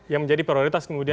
yang menjadi prioritas kemudian